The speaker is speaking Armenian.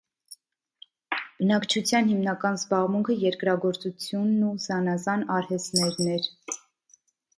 Բնակչության հիմնական զբաղմունքը երկրագործությունն ու զանազան արհեստներն էր։